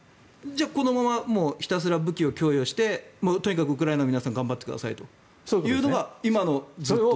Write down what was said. じゃあこのままひたすら武器を供与してとにかくウクライナの皆さん頑張ってくださいというのが今の、ずっと。